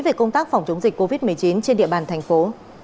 về công tác phòng chống dịch covid một mươi chín trên địa bàn thành phố